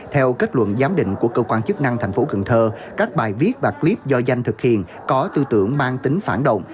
theo kết luận giám định của cơ quan chức năng thành phố cần thơ các bài viết và clip do danh thực hiện có tư tưởng mang tính phản động